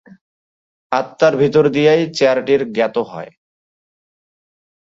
আত্মার ভিতর দিয়াই চেয়ারটি জ্ঞাত হয়।